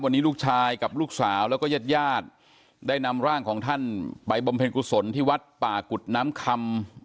วันนี้ลูกชายกับลูกสาวแล้วก็ญาติญาติได้นำร่างของท่านไปบำเพ็ญกุศลที่วัดป่ากุฎน้ำคำ